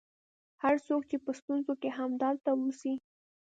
هر څوک چې په ستونزه کې یې همدلته اوسي.